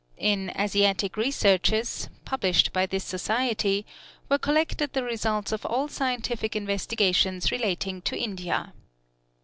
In "Asiatic Researches," published by this society, were collected the results of all scientific investigations relating to India.